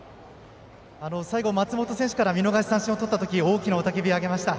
最後、松本選手から見逃し三振をとったとき大きな雄たけびを上げました。